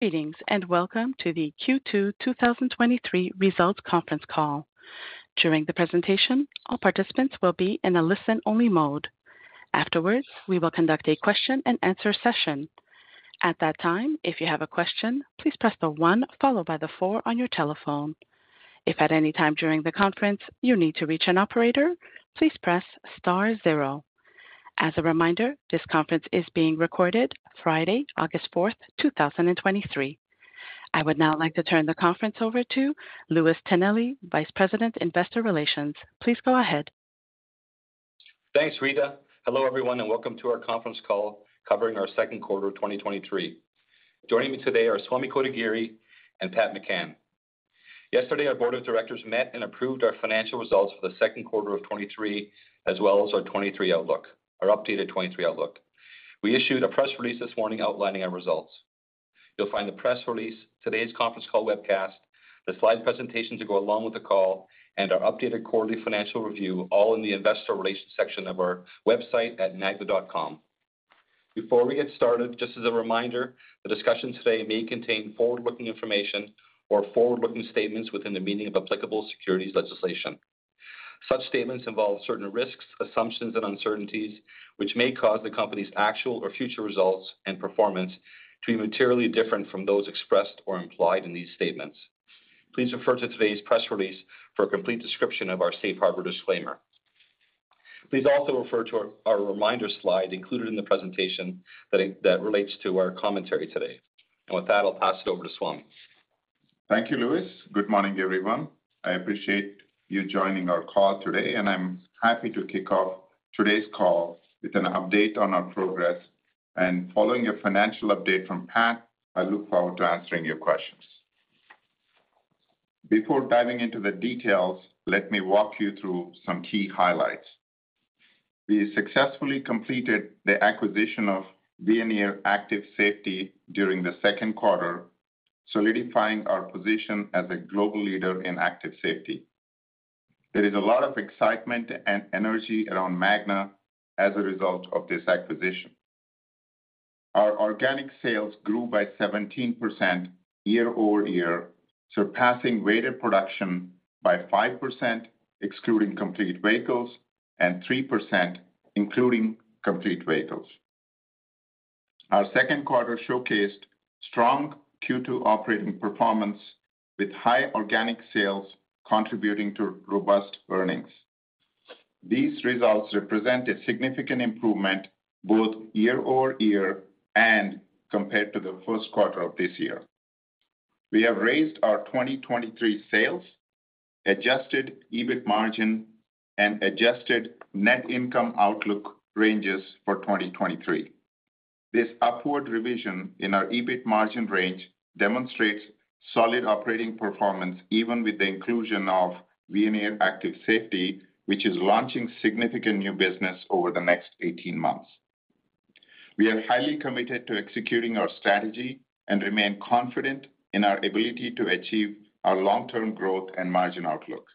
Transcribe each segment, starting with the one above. Greetings, welcome to the Q2 2023 Results Conference Call. During the presentation, all participants will be in a listen-only mode. Afterwards, we will conduct a question-and-answer session. At that time, if you have a question, please press one followed by four on your telephone. If at any time during the conference you need to reach an operator, please press star zero. As a reminder, this conference is being recorded Friday, August 4th, 2023. I would now like to turn the conference over to Louis Tonelli, Vice President, Investor Relations. Please go ahead. Thanks, Rita. Hello, everyone, and welcome to our conference call covering our second quarter of 2023. Joining me today are Swamy Kotagiri and Pat McCann. Yesterday, our board of directors met and approved our financial results for the second quarter of 2023, as well as our 2023 outlook, our updated 2023 outlook. We issued a press release this morning outlining our results. You'll find the press release, today's conference call webcast, the slide presentation to go along with the call, and our updated quarterly financial review, all in the investor relations section of our website at magna.com. Before we get started, just as a reminder, the discussion today may contain forward-looking information or forward-looking statements within the meaning of applicable securities legislation. Such statements involve certain risks, assumptions, and uncertainties, which may cause the company's actual or future results and performance to be materially different from those expressed or implied in these statements. Please refer to today's press release for a complete description of our safe harbor disclaimer. Please also refer to our reminder slide included in the presentation that relates to our commentary today. With that, I'll pass it over to Swamy. Thank you, Louis. Good morning, everyone. I appreciate you joining our call today. I'm happy to kick off today's call with an update on our progress. Following a financial update from Pat, I look forward to answering your questions. Before diving into the details, let me walk you through some key highlights. We successfully completed the acquisition of Veoneer Active Safety during the second quarter, solidifying our position as a global leader in active safety. There is a lot of excitement and energy around Magna as a result of this acquisition. Our organic sales grew by 17% year-over-year, surpassing weighted production by 5%, excluding complete vehicles, and 3%, including complete vehicles. Our second quarter showcased strong Q2 operating performance, with high organic sales contributing to robust earnings. These results represent a significant improvement both year-over-year and compared to the first quarter of this year. We have raised our 2023 sales, adjusted EBIT margin, and adjusted net income outlook ranges for 2023. This upward revision in our EBIT margin range demonstrates solid operating performance, even with the inclusion of Veoneer Active Safety, which is launching significant new business over the next 18 months. We are highly committed to executing our strategy and remain confident in our ability to achieve our long-term growth and margin outlook,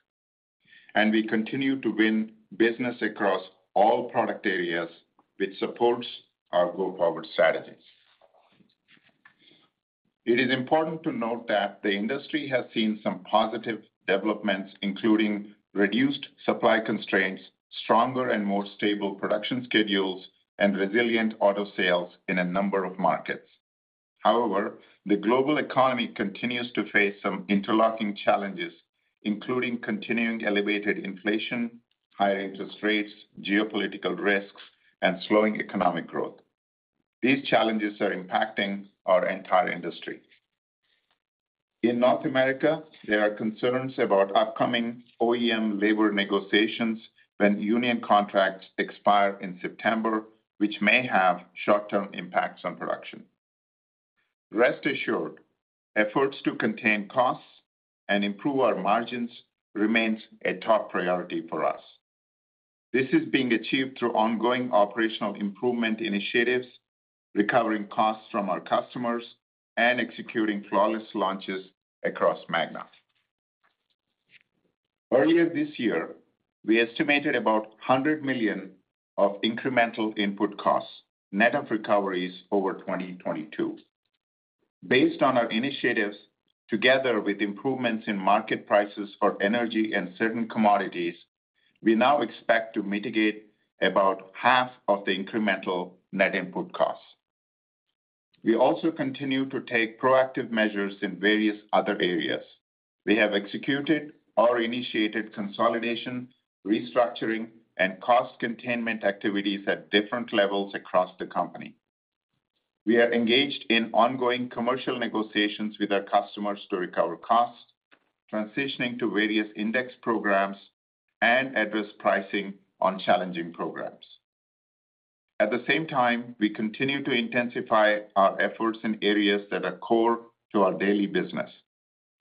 and we continue to win business across all product areas, which supports our go-forward strategies. It is important to note that the industry has seen some positive developments, including reduced supply constraints, stronger and more stable production schedules, and resilient auto sales in a number of markets. However, the global economy continues to face some interlocking challenges, including continuing elevated inflation, high interest rates, geopolitical risks, and slowing economic growth. These challenges are impacting our entire industry. In North America, there are concerns about upcoming OEM labor negotiations when union contracts expire in September, which may have short-term impacts on production. Rest assured, efforts to contain costs and improve our margins remains a top priority for us. This is being achieved through ongoing operational improvement initiatives, recovering costs from our customers, and executing flawless launches across Magna. Earlier this year, we estimated about $100 million of incremental input costs, net of recoveries over 2022. Based on our initiatives, together with improvements in market prices for energy and certain commodities, we now expect to mitigate about half of the incremental net input costs. We also continue to take proactive measures in various other areas. We have executed or initiated consolidation, restructuring, and cost containment activities at different levels across the company. We are engaged in ongoing commercial negotiations with our customers to recover costs, transitioning to various index programs and adverse pricing on challenging programs. At the same time, we continue to intensify our efforts in areas that are core to our daily business,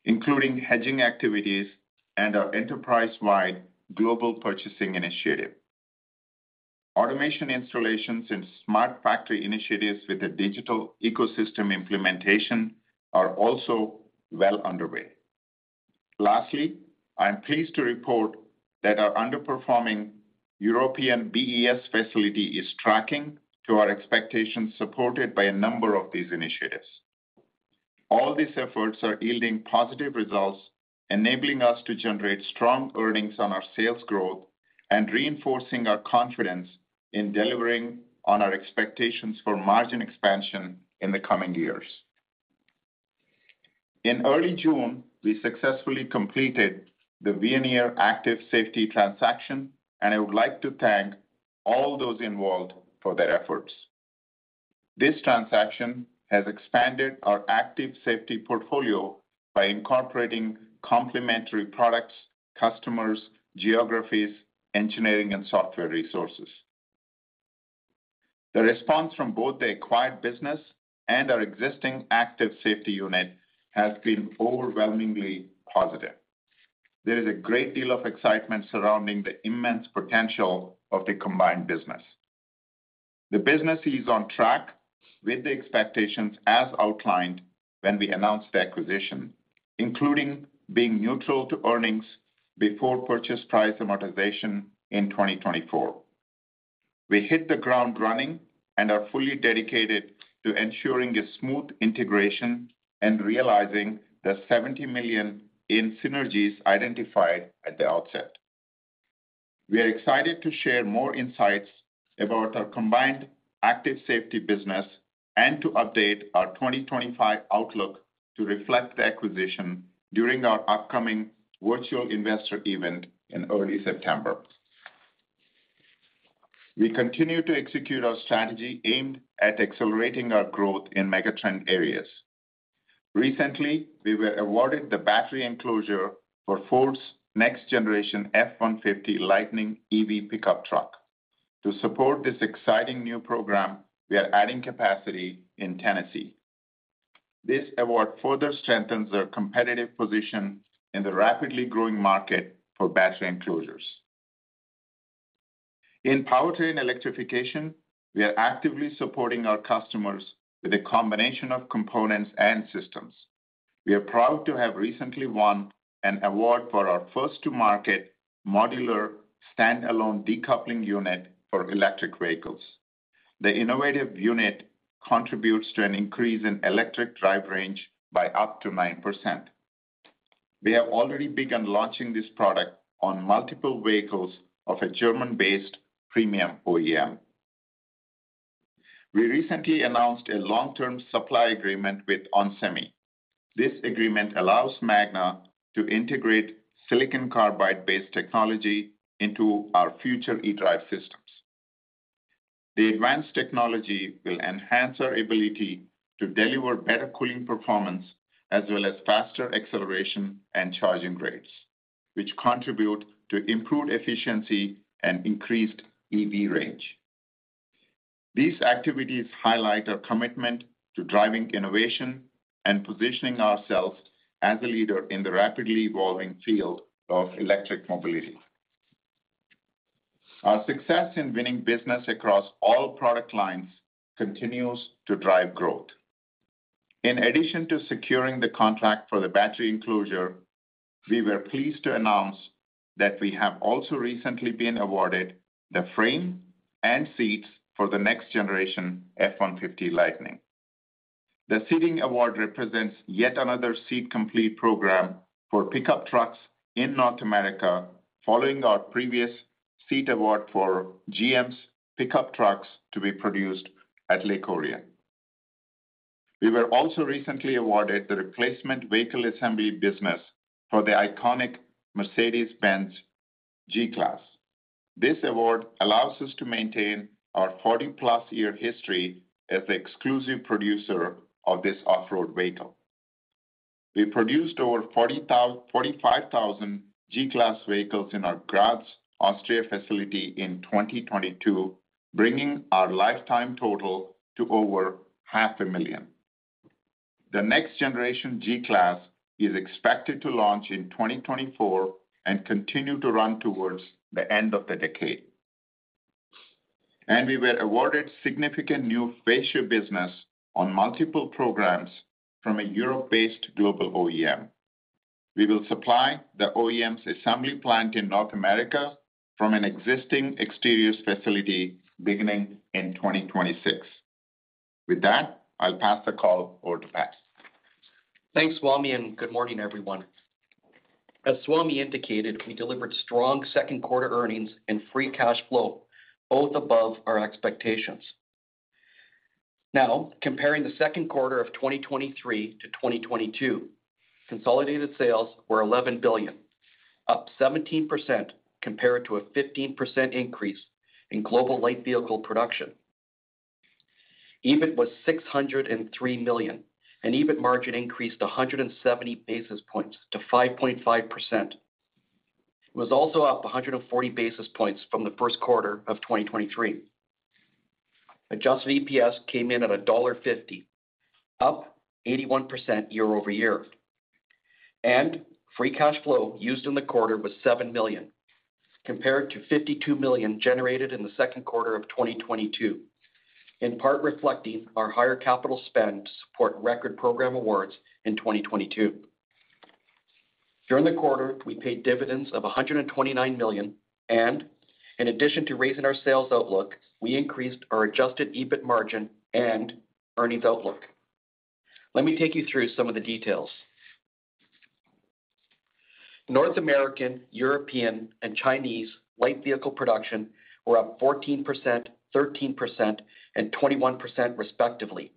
including hedging activities and our enterprise-wide global purchasing initiative. Automation installations and smart factory initiatives with a digital ecosystem implementation are also well underway. Lastly, I am pleased to report that our underperforming European BES facility is tracking to our expectations, supported by a number of these initiatives. All these efforts are yielding positive results, enabling us to generate strong earnings on our sales growth and reinforcing our confidence in delivering on our expectations for margin expansion in the coming years. In early June, we successfully completed the Veoneer Active Safety transaction, and I would like to thank all those involved for their efforts. This transaction has expanded our active safety portfolio by incorporating complementary products, customers, geographies, engineering, and software resources. The response from both the acquired business and our existing active safety unit has been overwhelmingly positive. There is a great deal of excitement surrounding the immense potential of the combined business. The business is on track with the expectations as outlined when we announced the acquisition, including being neutral to earnings before purchase price amortization in 2024. We hit the ground running and are fully dedicated to ensuring a smooth integration and realizing the $70 million in synergies identified at the outset. We are excited to share more insights about our combined Active Safety business and to update our 2025 outlook to reflect the acquisition during our upcoming virtual investor event in early September. We continue to execute our strategy aimed at accelerating our growth in megatrend areas. Recently, we were awarded the battery enclosure for Ford's next generation F-150 Lightning EV pickup truck. To support this exciting new program, we are adding capacity in Tennessee. This award further strengthens our competitive position in the rapidly growing market for battery enclosures. In Powertrain electrification, we are actively supporting our customers with a combination of components and systems. We are proud to have recently won an award for our first to market modular standalone decoupling unit for electric vehicles. The innovative unit contributes to an increase in eDrive range by up to 9%. We have already begun launching this product on multiple vehicles of a German-based premium OEM. We recently announced a long-term supply agreement with onsemi. This agreement allows Magna to integrate silicon carbide-based technology into our future eDrive systems. The advanced technology will enhance our ability to deliver better cooling performance, as well as faster acceleration and charging rates, which contribute to improved efficiency and increased EV range. These activities highlight our commitment to driving innovation and positioning ourselves as a leader in the rapidly evolving field of electric mobility. Our success in winning business across all product lines continues to drive growth. In addition to securing the contract for the battery enclosure, we were pleased to announce that we have also recently been awarded the frame and seats for the next generation F-150 Lightning. The seating award represents yet another seat complete program for pickup trucks in North America, following our previous seat award for GM's pickup trucks to be produced at Lake Orion. We were also recently awarded the replacement vehicle assembly business for the iconic Mercedes-Benz G-Class. This award allows us to maintain our 40-plus-year history as the exclusive producer of this off-road vehicle. We produced over 45,000 G-Class vehicles in our Graz, Austria facility in 2022, bringing our lifetime total to over 500,000. The next generation G-Class is expected to launch in 2024 and continue to run towards the end of the decade. We were awarded significant new fascia business on multiple programs from a Europe-based global OEM. We will supply the OEM's assembly plant in North America from an existing exteriors facility beginning in 2026. With that, I'll pass the call over to Pat. Thanks, Swamy, good morning, everyone. As Swamy indicated, we delivered strong second quarter earnings and free cash flow, both above our expectations. Comparing the second quarter of 2023 to 2022, consolidated sales were $11 billion, up 17% compared to a 15% increase in global light vehicle production. EBIT was $603 million, EBIT margin increased 170 basis points to 5.5%. It was also up 140 basis points from the first quarter of 2023. Adjusted EPS came in at $1.50, up 81% year-over-year, free cash flow used in the quarter was $7 million.... compared to $52 million generated in the second quarter of 2022, in part reflecting our higher capital spend to support record program awards in 2022. During the quarter, we paid dividends of $129 million. In addition to raising our sales outlook, we increased our adjusted EBIT margin and earnings outlook. Let me take you through some of the details. North American, European, and Chinese light vehicle production were up 14%, 13%, and 21%, respectively,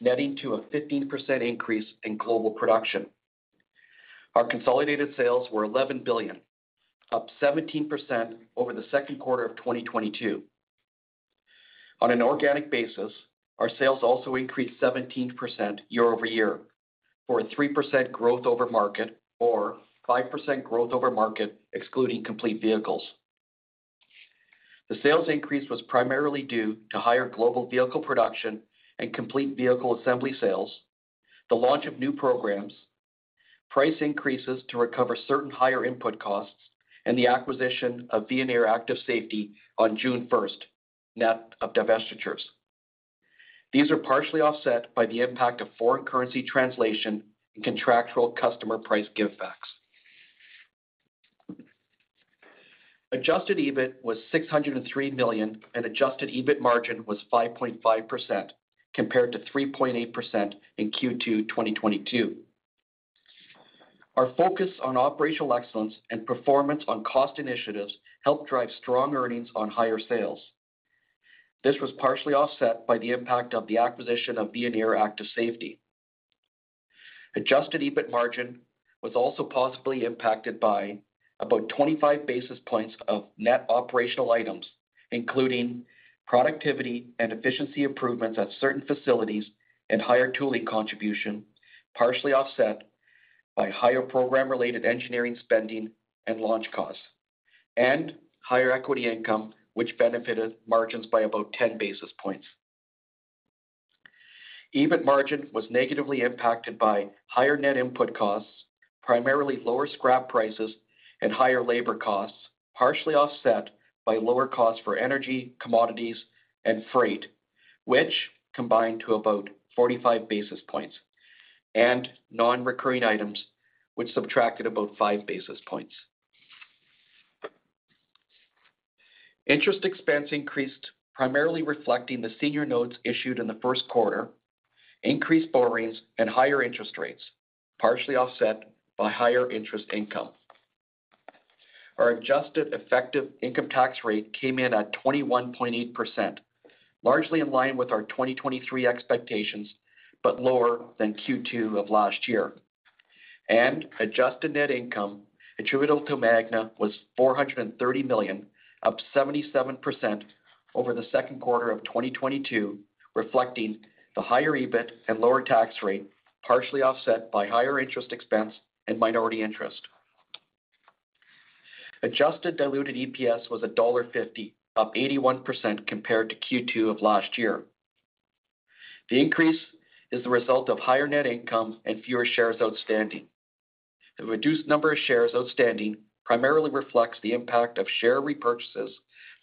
netting to a 15% increase in global production. Our consolidated sales were $11 billion, up 17% over the second quarter of 2022. On an organic basis, our sales also increased 17% year-over-year for a 3% growth over market or 5% growth over market, excluding complete vehicles. The sales increase was primarily due to higher global vehicle production and complete vehicle assembly sales, the launch of new programs, price increases to recover certain higher input costs, and the acquisition of Veoneer Active Safety on June first, net of divestitures. These are partially offset by the impact of foreign currency translation and contractual customer price give backs. Adjusted EBIT was $603 million, and adjusted EBIT margin was 5.5%, compared to 3.8% in Q2 2022. Our focus on operational excellence and performance on cost initiatives helped drive strong earnings on higher sales. This was partially offset by the impact of the acquisition of Veoneer Active Safety. Adjusted EBIT margin was also possibly impacted by about 25 basis points of net operational items, including productivity and efficiency improvements at certain facilities and higher tooling contribution, partially offset by higher program-related engineering spending and launch costs, and higher equity income, which benefited margins by about ten basis points. EBIT margin was negatively impacted by higher net input costs, primarily lower scrap prices and higher labor costs, partially offset by lower costs for energy, commodities, and freight, which combined to about 45 basis points, and non-recurring items, which subtracted about five basis points. Interest expense increased, primarily reflecting the senior notes issued in the first quarter, increased borrowings and higher interest rates, partially offset by higher interest income. Our adjusted effective income tax rate came in at 21.8%, largely in line with our 2023 expectations, but lower than Q2 of last year. Adjusted net income attributable to Magna was $430 million, up 77% over the second quarter of 2022, reflecting the higher EBIT and lower tax rate, partially offset by higher interest expense and minority interest. Adjusted diluted EPS was $1.50, up 81% compared to Q2 of last year. The increase is the result of higher net income and fewer shares outstanding. The reduced number of shares outstanding primarily reflects the impact of share repurchases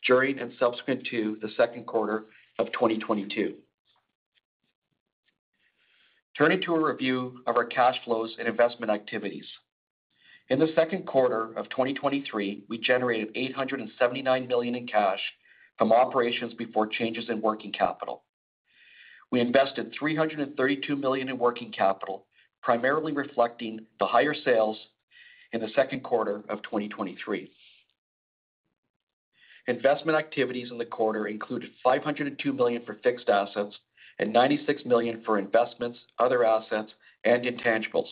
during and subsequent to the second quarter of 2022. Turning to a review of our cash flows and investment activities. In the second quarter of 2023, we generated $879 million in cash from operations before changes in working capital. We invested $332 million in working capital, primarily reflecting the higher sales in the second quarter of 2023. Investment activities in the quarter included $502 million for fixed assets and $96 million for investments, other assets, and intangibles.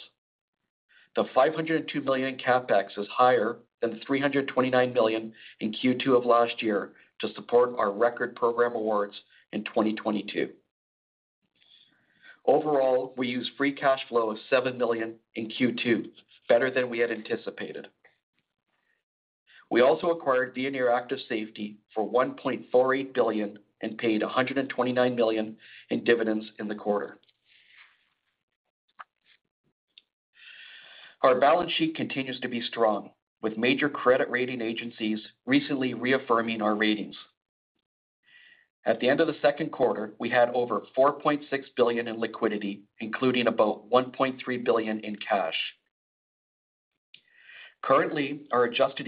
The $502 million in CapEx is higher than the $329 million in Q2 of last year to support our record program awards in 2022. Overall, we used free cash flow of $7 million in Q2, better than we had anticipated. We also acquired Veoneer Active Safety for $1.48 billion and paid $129 million in dividends in the quarter. Our balance sheet continues to be strong, with major credit rating agencies recently reaffirming our ratings. At the end of the second quarter, we had over $4.6 billion in liquidity, including about $1.3 billion in cash. Currently, our adjusted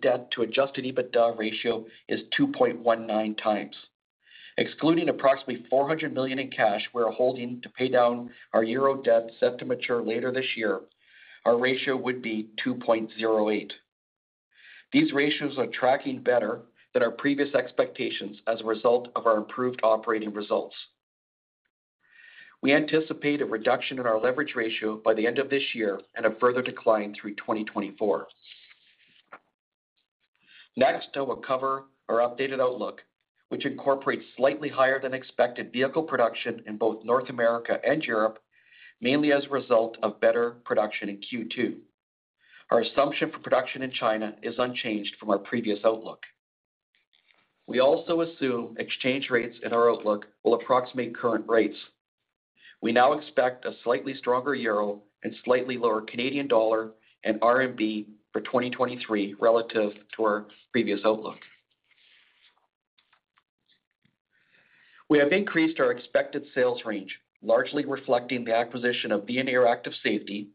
debt to adjusted EBITDA ratio is 2.19 times. Excluding approximately $400 million in cash we're holding to pay down our euro debt set to mature later this year, our ratio would be 2.08. These ratios are tracking better than our previous expectations as a result of our improved operating results. We anticipate a reduction in our leverage ratio by the end of this year and a further decline through 2024. Next, I will cover our updated outlook, which incorporates slightly higher than expected vehicle production in both North America and Europe, mainly as a result of better production in Q2. Our assumption for production in China is unchanged from our previous outlook. We also assume exchange rates in our outlook will approximate current rates. We now expect a slightly stronger euro and slightly lower Canadian dollar and RMB for 2023 relative to our previous outlook. We have increased our expected sales range, largely reflecting the acquisition of Veoneer Active Safety,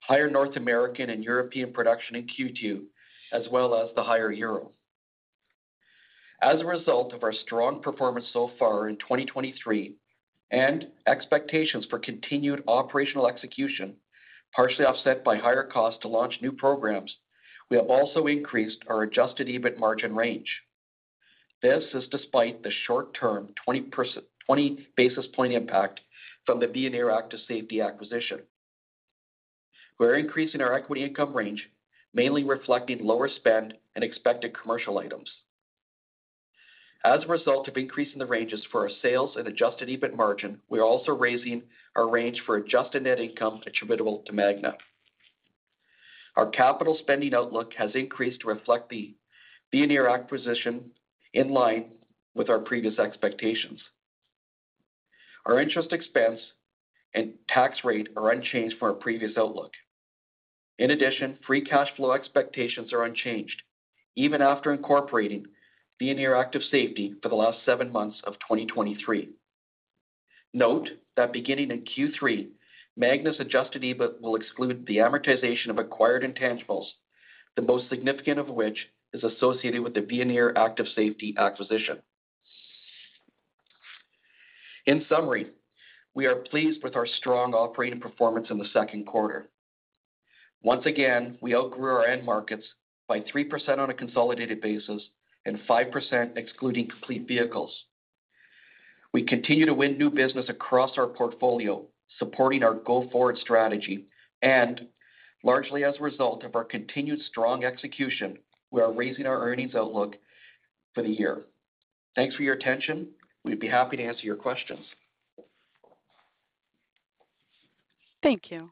higher North American and European production in Q2, as well as the higher euro. As a result of our strong performance so far in 2023 and expectations for continued operational execution, partially offset by higher costs to launch new programs, we have also increased our adjusted EBIT margin range. This is despite the short-term 20 basis point impact from the Veoneer Active Safety acquisition. We're increasing our equity income range, mainly reflecting lower spend and expected commercial items. As a result of increasing the ranges for our sales and adjusted EBIT margin, we are also raising our range for adjusted net income attributable to Magna. Our capital spending outlook has increased to reflect the Veoneer acquisition, in line with our previous expectations. Our interest expense and tax rate are unchanged from our previous outlook. In addition, free cash flow expectations are unchanged, even after incorporating Veoneer Active Safety for the last seven months of 2023. Note that beginning in Q3, Magna's adjusted EBIT will exclude the amortization of acquired intangibles, the most significant of which is associated with the Veoneer Active Safety acquisition. In summary, we are pleased with our strong operating performance in the second quarter. Once again, we outgrew our end markets by 3% on a consolidated basis and 5% excluding complete vehicles. We continue to win new business across our portfolio, supporting our go-forward strategy, and largely as a result of our continued strong execution, we are raising our earnings outlook for the year. Thanks for your attention. We'd be happy to answer your questions. Thank you.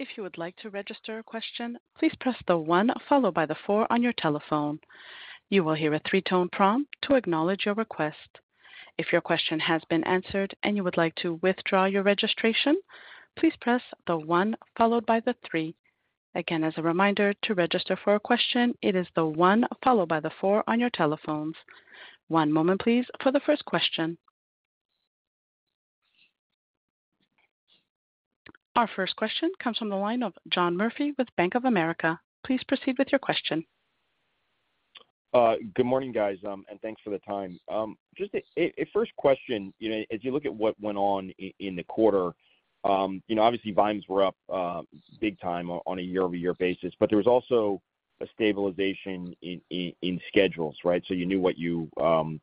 If you would like to register a question, please press the one followed by the four on your telephone. You will hear a three tone prompt to acknowledge your request. If your question has been answered and you would like to withdraw your registration, please press the one followed by the three. Again, as a reminder, to register for a question, it is the one followed by the four on your telephones. One moment, please, for the first question. Our first question comes from the line of John Murphy with Bank of America. Please proceed with your question. Good morning, guys, and thanks for the time. Just a first question, you know, as you look at what went on in the quarter, you know, obviously, volumes were up, big time on a year-over-year basis, but there was also a stabilization in schedules, right? You knew what you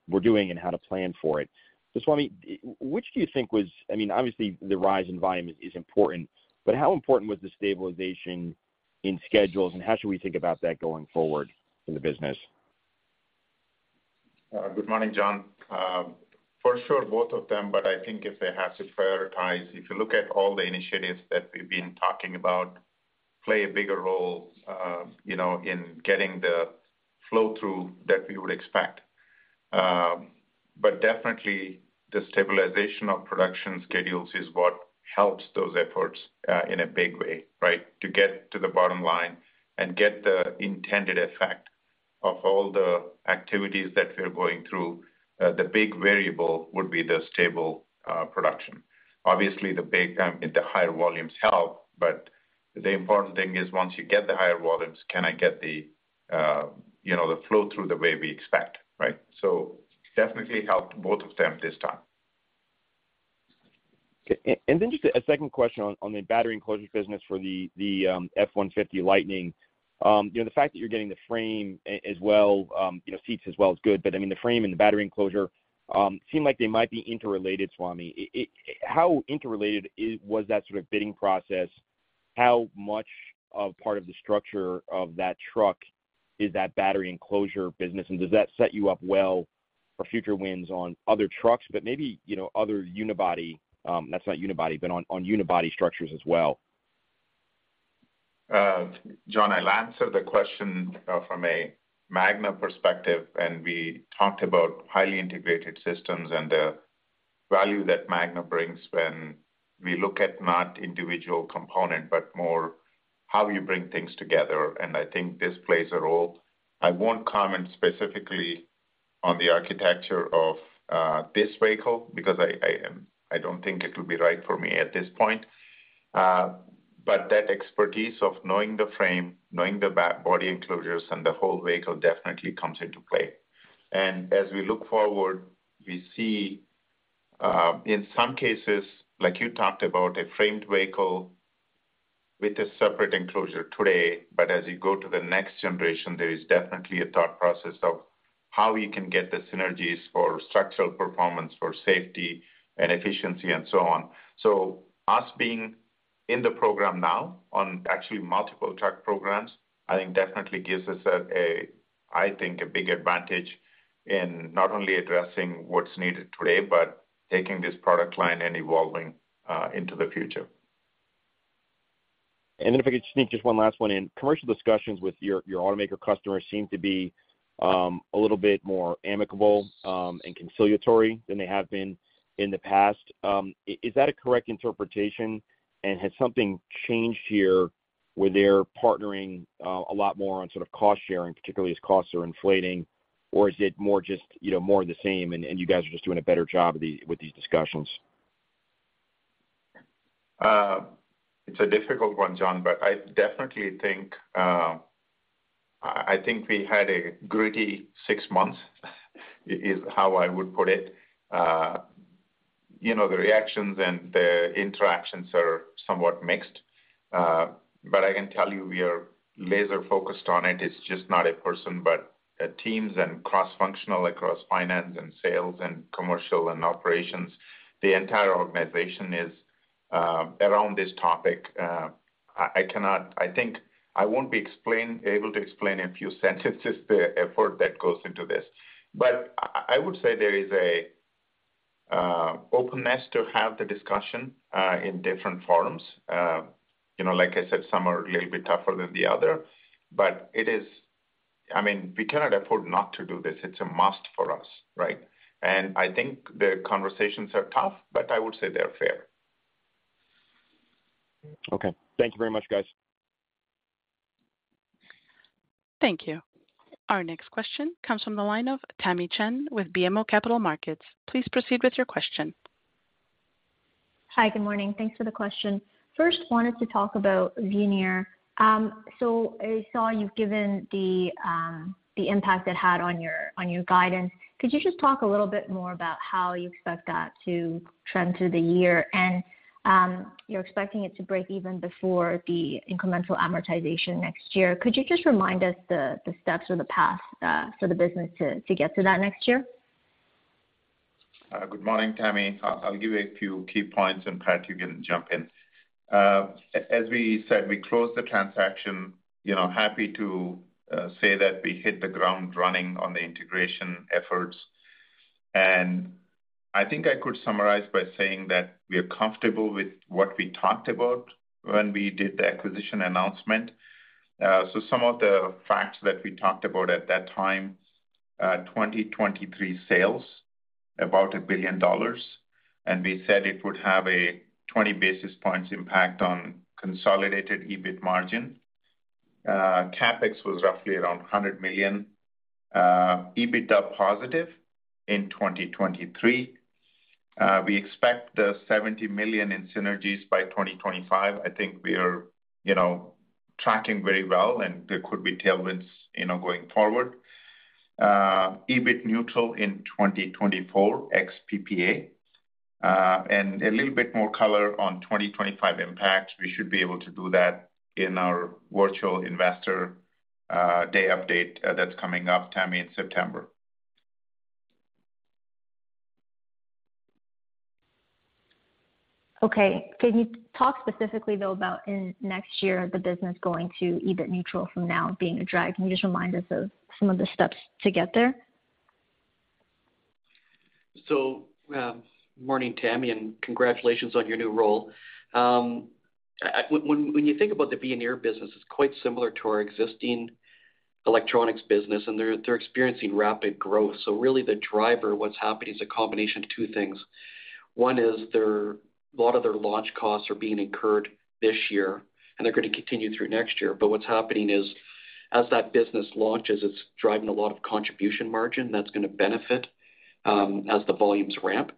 were doing and how to plan for it. Swamy, which do you think was, I mean, obviously, the rise in volume is important, but how important was the stabilization in schedules, and how should we think about that going forward in the business? Good morning, John. For sure, both of them, but I think if they have to prioritize, if you look at all the initiatives that we've been talking about, play a bigger role, you know, in getting the flow-through that we would expect. Definitely, the stabilization of production schedules is what helps those efforts in a big way, right? To get to the bottom line and get the intended effect of all the activities that we're going through, the big variable would be the stable production. Obviously, the big, the higher volumes help, but the important thing is, once you get the higher volumes, can I get the, you know, the flow through the way we expect, right? Definitely helped both of them this time. Okay. Then just a second question on, on the battery enclosure business for the, the F-150 Lightning. You know, the fact that you're getting the frame as well, you know, seats as well, is good, but, I mean, the frame and the battery enclosure seem like they might be interrelated, Swamy. How interrelated was that sort of bidding process? How much of part of the structure of that truck is that battery enclosure business, and does that set you up well for future wins on other trucks, but maybe, you know, other unibody, that's not unibody, but on, on unibody structures as well? John, I'll answer the question from a Magna perspective, we talked about highly integrated systems and the value that Magna brings when we look at not individual component, but more how you bring things together, and I think this plays a role. I won't comment specifically on the architecture of this vehicle because I, I, I don't think it would be right for me at this point. That expertise of knowing the frame, knowing the back body enclosures, and the whole vehicle definitely comes into play. As we look forward, we see in some cases, like you talked about, a framed vehicle with a separate enclosure today, but as you go to the next generation, there is definitely a thought process of how we can get the synergies for structural performance, for safety and efficiency, and so on. Us being in the program now on actually multiple truck programs, I think definitely gives us a, I think, a big advantage in not only addressing what's needed today, but taking this product line and evolving into the future. If I could sneak just one last one in. Commercial discussions with your, your automaker customers seem to be a little bit more amicable and conciliatory than they have been in the past. Is, is that a correct interpretation? Has something changed here, where they're partnering a lot more on sort of cost-sharing, particularly as costs are inflating? Is it more just, you know, more the same, and, and you guys are just doing a better job with these discussions? It's a difficult one, John, but I definitely think, I, I think we had a gritty six months, is how I would put it. You know, the reactions and the interactions are somewhat mixed. I can tell you, we are laser-focused on it. It's just not a person, but teams and cross-functional across finance and sales and commercial and operations. The entire organization is around this topic. I, I cannot, I think I won't be able to explain in a few sentences, the effort that goes into this. I, I would say there is a openness to have the discussion in different forums. You know, like I said, some are a little bit tougher than the other, but it is... I mean, we cannot afford not to do this. It's a must for us, right? I think the conversations are tough, but I would say they're fair. Okay. Thank you very much, guys. Thank you. Our next question comes from the line of Tamy Chen with BMO Capital Markets. Please proceed with your question. Hi, good morning. Thanks for the question. First, wanted to talk about Veoneer. I saw you've given the impact it had on your, on your guidance. Could you just talk a little bit more about how you expect that to trend through the year? You're expecting it to break even before the incremental amortization next year. Could you just remind us the, the steps or the path for the business to, to get to that next year? Good morning, Tammy. I'll give you a few key points, and Pat, you can jump in. As we said, we closed the transaction, you know, happy to say that we hit the ground running on the integration efforts. I think I could summarize by saying that we are comfortable with what we talked about when we did the acquisition announcement. Some of the facts that we talked about at that time, 2023 sales, about $1 billion, and we said it would have a 20 basis points impact on consolidated EBIT margin. CapEx was roughly around $100 million, EBITDA positive in 2023. We expect $70 million in synergies by 2025. I think we are, you know, tracking very well, and there could be tailwinds, you know, going forward. EBIT neutral in 2024 ex PPA. A little bit more color on 2025 impact, we should be able to do that in our virtual investor day update that's coming up, Tammy, in September. Okay. Can you talk specifically, though, about in next year, the business going to EBIT neutral from now being a drag? Can you just remind us of some of the steps to get there? morning, Tammy, and congratulations on your new role. When, when you think about the Veoneer business, it's quite similar to our existing electronics business, and they're, they're experiencing rapid growth. Really the driver, what's happening is a combination of two things. One is their a lot of their launch costs are being incurred this year, and they're going to continue through next year. What's happening is, as that business launches, it's driving a lot of contribution margin that's going to benefit as the volumes ramp.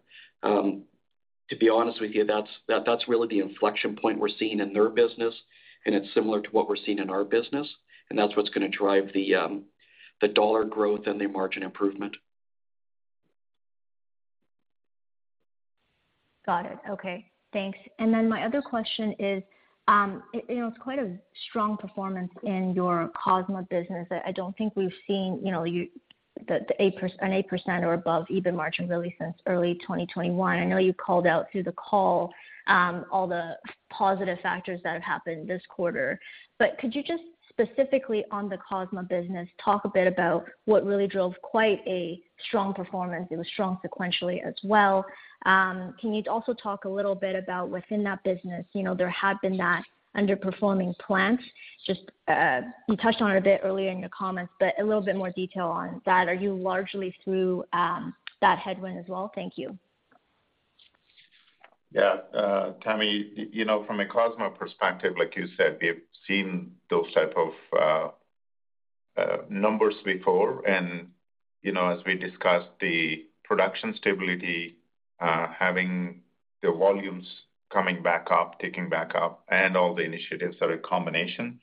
To be honest with you, that's, that's really the inflection point we're seeing in their business, and it's similar to what we're seeing in our business, and that's what's gonna drive the dollar growth and the margin improvement. Got it. Okay, thanks. My other question is, you know, it's quite a strong performance in your Cosma business. I don't think we've seen, you know, an 8% or above EBIT margin really since early 2021. I know you called out through the call, all the positive factors that have happened this quarter. Could you just, specifically on the Cosma business, talk a bit about what really drove quite a strong performance? It was strong sequentially as well. Can you also talk a little bit about within that business, you know, there have been that underperforming plants. Just, you touched on it a bit earlier in your comments, a little bit more detail on that. Are you largely through that headwind as well? Thank you. Yeah, Tammy, you know, from a Cosma perspective, like you said, we have seen those type of numbers before. You know, as we discussed, the production stability, having the volumes coming back up, ticking back up, and all the initiatives are a combination.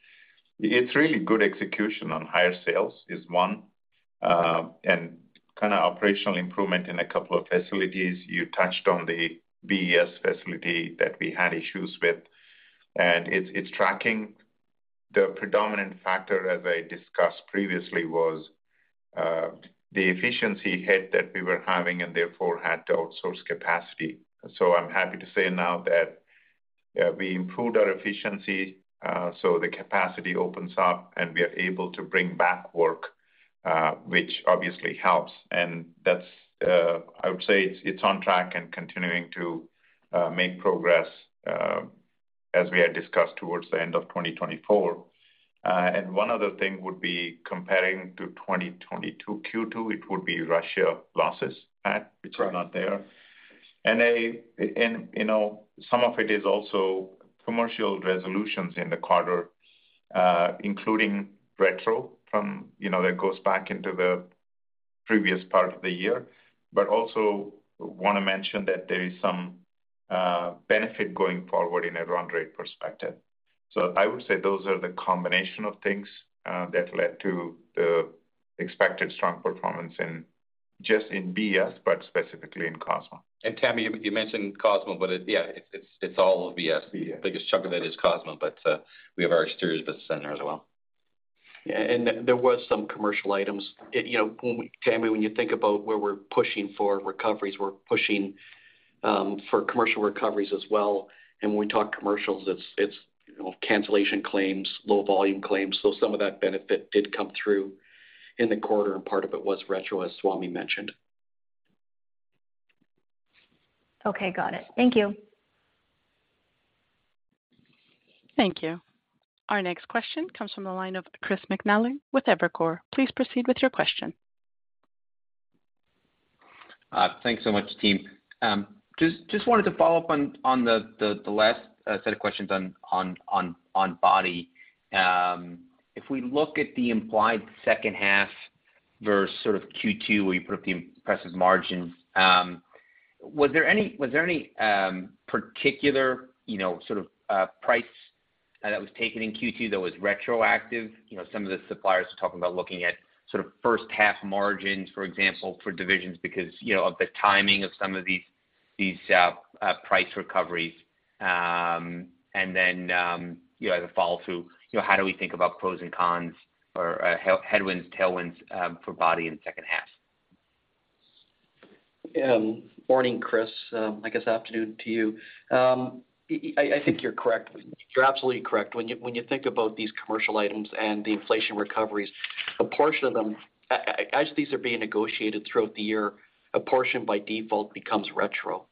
It's really good execution on higher sales is one, and kind of operational improvement in a couple of facilities. You touched on the BES facility that we had issues with, and it's tracking. The predominant factor, as I discussed previously, was the efficiency hit that we were having and therefore had to outsource capacity. I'm happy to say now that we improved our efficiency, so the capacity opens up, and we are able to bring back work, which obviously helps. That's, I would say, it's, it's on track and continuing to make progress, as we had discussed towards the end of 2024. One other thing would be comparing to 2022 Q2, it would be Russia losses, Pat, which are not there. Right. You know, some of it is also commercial resolutions in the quarter, including retro from, you know, that goes back into the previous part of the year. Also wanna mention that there is some benefit going forward in a run rate perspective. I would say those are the combination of things that led to the expected strong performance in, just in BS, but specifically in Cosma. Tammy, you, you mentioned Cosma, but it, yeah, it's, it's all BS. BS. The biggest chunk of that is Cosma, but we have our Exteriors business in there as well. Yeah, there, there was some commercial items. It, you know, Tammy, when you think about where we're pushing for recoveries, we're pushing for commercial recoveries as well. When we talk commercials, it's, it's, you know, cancellation claims, low volume claims. Some of that benefit did come through in the quarter, and part of it was retro, as Swamy mentioned. Okay, got it. Thank you. Thank you. Our next question comes from the line of Chris McNally with Evercore. Please proceed with your question. Thanks so much, team. Just wanted to follow up on the last set of questions on Body. If we look at the implied second half versus sort of Q2, where you put up the impressive margins, was there any particular sort of price that was taken in Q2 that was retroactive? Some of the suppliers are talking about looking at sort of first half margins, for example, for divisions, because of the timing of some of these price recoveries. Then, as a follow-through, how do we think about pros and cons or headwinds, tailwinds for Body in the second half? Morning, Chris, I guess afternoon to you. I think you're correct. You're absolutely correct. When you think about these commercial items and the inflation recoveries, a portion of them, as these are being negotiated throughout the year, a portion by default becomes retro.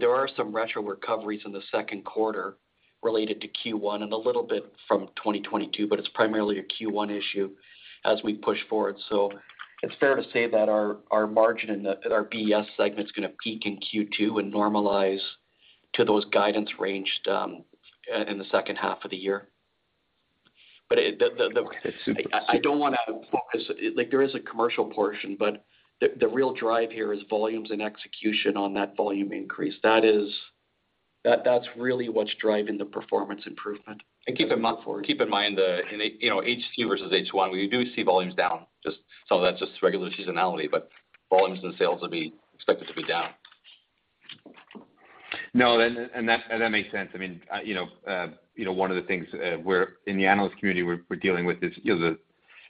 There are some retro recoveries in the second quarter related to Q1 and a little bit from 2022, but it's primarily a Q1 issue as we push forward. It's fair to say that our margin in the-- our BS segment is gonna peak in Q2 and normalize to those guidance ranged in the second half of the year. But it... I don't wanna outfocus. Like, there is a commercial portion, but the real drive here is volumes and execution on that volume increase. That's really what's driving the performance improvement and going forward. Keep in mind, keep in mind, in, you know, H2 versus H1, we do see volumes down. Just some of that's just regular seasonality, volumes and sales will be expected to be down. No, that, and that makes sense. I mean, you know, you know, one of the things in the analyst community, we're, we're dealing with is, you know, the,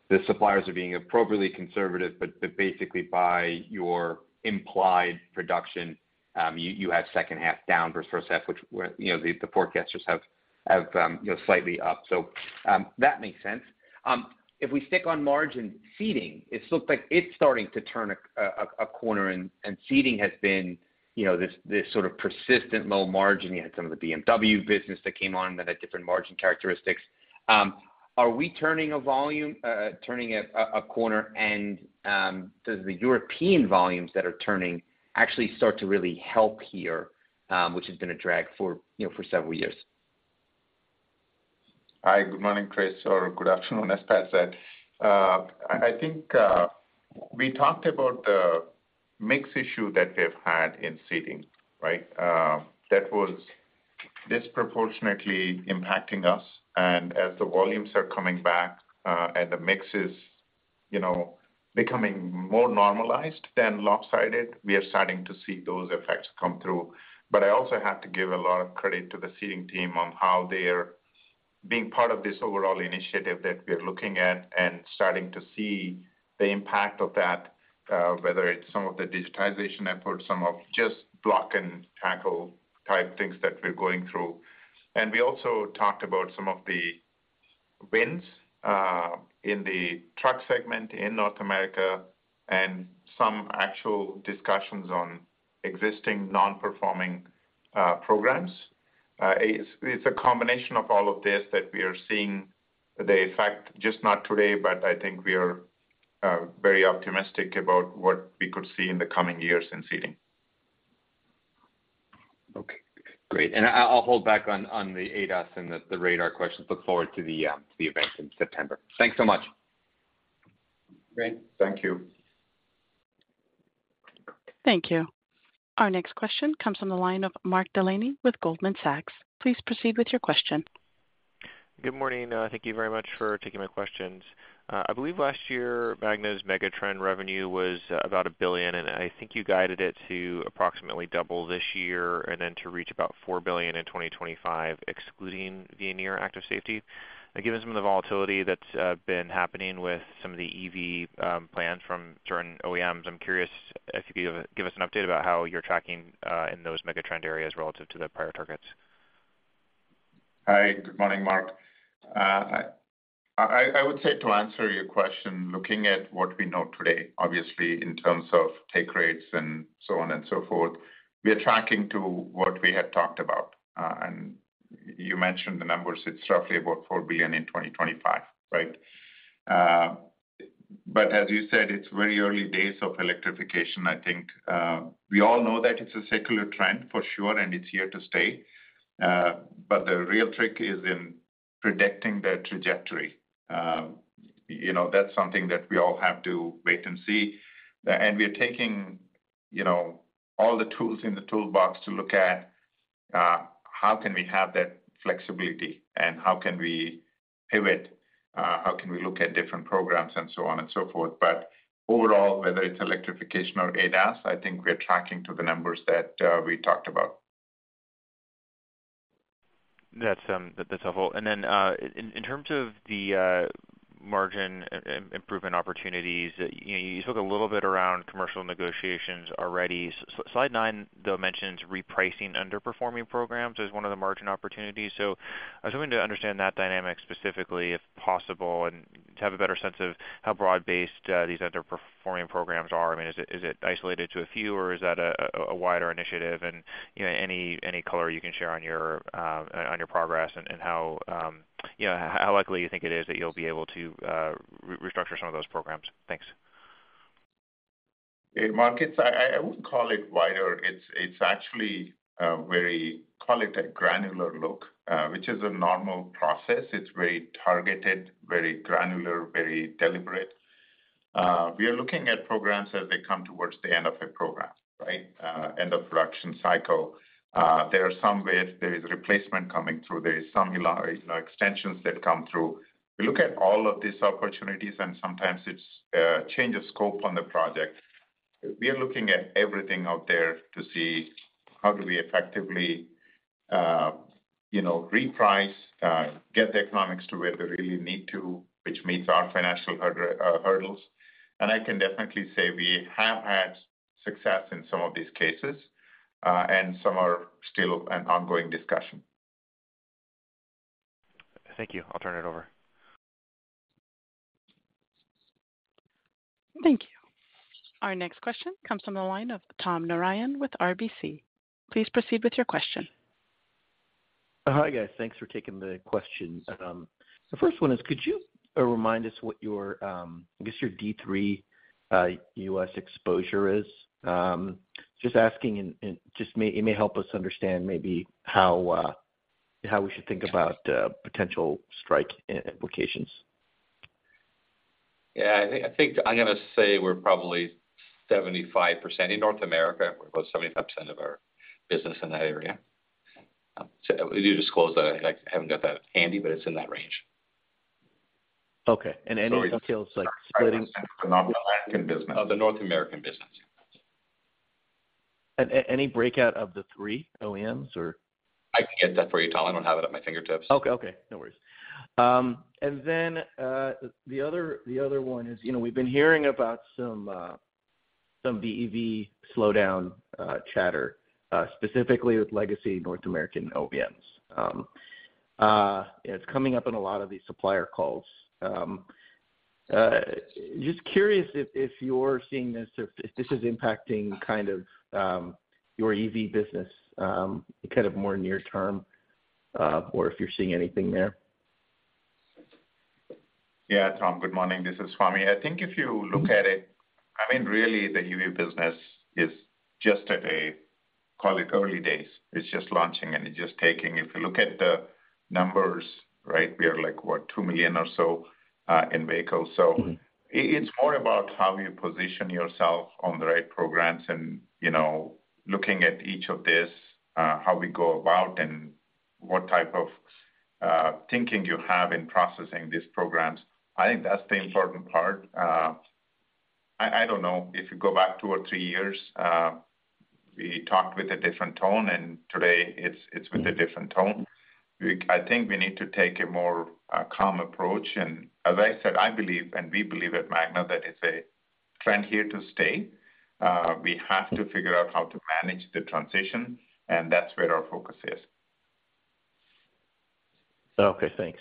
the suppliers are being appropriately conservative, but, but basically, by your implied production, you, you have second half down versus first half, which where, you know, the, the forecasters have, have, you know, slightly up. That makes sense. If we stick on margin, seating, it looks like it's starting to turn a, a, a corner, and, and seating has been, you know, this, this sort of persistent low margin. You had some of the BMW business that came on that had different margin characteristics. Are we turning a volume, turning a, a, a corner? Does the European volumes that are turning actually start to really help here, which has been a drag for, you know, for several years? Hi. Good morning, Chris, or good afternoon, as Pat said. I think we talked about the mix issue that we've had in seating, right? That was disproportionately impacting us. As the volumes are coming back, and the mix is, you know, becoming more normalized than lopsided, we are starting to see those effects come through. I also have to give a lot of credit to the seating team on how they are being part of this overall initiative that we're looking at and starting to see the impact of that, whether it's some of the digitization efforts, some of just block-and-tackle-type things that we're going through. We also talked about some of the wins in the truck segment in North America and some actual discussions on existing non-performing programs. It's a combination of all of this that we are seeing the effect, just not today, but I think we are very optimistic about what we could see in the coming years in seating. Okay, great. I'll, I'll hold back on, on the ADAS and the, the radar questions. Look forward to the event in September. Thanks so much. Great. Thank you. Thank you. Our next question comes from the line of Mark Delaney with Goldman Sachs. Please proceed with your question. Good morning. Thank you very much for taking my questions. I believe last year, Magna's megatrend revenue was about $1 billion, and I think you guided it to approximately double this year, and then to reach about $4 billion in 2025, excluding Veoneer Active Safety. Now, given some of the volatility that's been happening with some of the EV plans from certain OEMs, I'm curious if you could give, give us an update about how you're tracking in those megatrend areas relative to the prior targets?... Hi, good morning, Mark. I would say to answer your question, looking at what we know today, obviously, in terms of take rates and so on and so forth, we are tracking to what we had talked about. You mentioned the numbers, it's roughly about $4 billion in 2025, right? As you said, it's very early days of electrification. I think, we all know that it's a secular trend, for sure, and it's here to stay. The real trick is in predicting the trajectory. You know, that's something that we all have to wait and see. We are taking, you know, all the tools in the toolbox to look at, how can we have that flexibility, and how can we pivot, how can we look at different programs and so on and so forth. Overall, whether it's electrification or ADAS, I think we are tracking to the numbers that we talked about. That's, that's helpful. Then, in terms of the margin improvement opportunities, you know, you spoke a little bit around commercial negotiations already. So slide 9, though, mentions repricing underperforming programs as one of the margin opportunities. I was hoping to understand that dynamic specifically, if possible, and to have a better sense of how broad-based these underperforming programs are. I mean, is it, is it isolated to a few, or is that a wider initiative? You know, any color you can share on your progress and how, you know, how likely you think it is that you'll be able to restructure some of those programs? Thanks. Hey, Mark, it's I. I wouldn't call it wider. It's actually very, call it a granular look, which is a normal process. It's very targeted, very granular, very deliberate. We are looking at programs as they come towards the end of a program, right? End of production cycle. There are some where there is replacement coming through. There is some extensions that come through. We look at all of these opportunities, and sometimes it's change of scope on the project. We are looking at everything out there to see how do we effectively, you know, reprice, get the economics to where they really need to, which meets our financial hurdles. I can definitely say we have had success in some of these cases, and some are still an ongoing discussion. Thank you. I'll turn it over. Thank you. Our next question comes from the line of Tom Narayan with RBC. Please proceed with your question. Hi, guys. Thanks for taking the questions. The first one is, could you remind us what your, I guess, your D3 U.S. exposure is? Just asking and just it may help us understand maybe how we should think about potential strike implications. Yeah, I think, I think I'm gonna say we're probably 75% in North America. We're about 75% of our business in that area. We do disclose that. I, I haven't got that handy, but it's in that range. Okay. any details, like, splitting- The North American business. Oh, the North American business. Any breakout of the three OEMs, or? I can get that for you, Tom. I don't have it at my fingertips. Okay, okay, no worries. Then, the other, the other one is, you know, we've been hearing about some BEV slowdown chatter specifically with legacy North American OEMs. It's coming up in a lot of these supplier calls. Just curious if, if you're seeing this, if, if this is impacting kind of your EV business kind of more near term, or if you're seeing anything there? Yeah, Tom, good morning. This is Swamy. I think if you look at it, I mean, really, the EV business is just at a, call it, early days. It's just launching, it's just taking... If you look at the numbers, right? We are like, what, two million or so in vehicles. Mm-hmm. It's more about how you position yourself on the right programs and, you know, looking at each of this, how we go about and what type of thinking you have in processing these programs. I think that's the important part. I don't know, if you go back 2 or 3 years, we talked with a different tone, and today it's. Mm-hmm... with a different tone. I think we need to take a more calm approach, and as I said, I believe, and we believe at Magna, that it's a trend here to stay. We have to figure out how to manage the transition, and that's where our focus is. Okay, thanks.